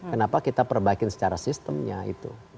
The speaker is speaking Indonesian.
kenapa kita perbaikin secara sistemnya itu